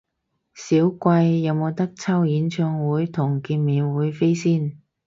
少貴，有無得抽演唱會同見面會飛先？